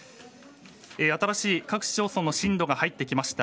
新しい各市町村の震度が入ってきました。